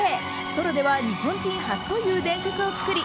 ソロでは日本人初という伝説を作り